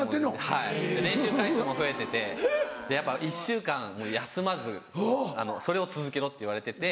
はい練習回数も増えててやっぱ１週間休まずそれを続けろって言われてて。